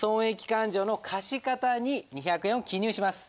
勘定の貸方に２００円を記入します。